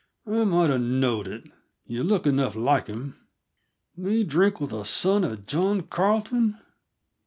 I might 'a' known it yuh look enough like him. Me drink with a son of John Carleton?